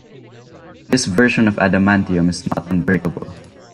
This version of adamantium is not unbreakable.